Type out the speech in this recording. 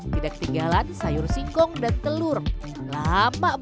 tidak ketinggalan sayur sayuran yang dikonsumsi dengan ayam gulai dan ayam bakar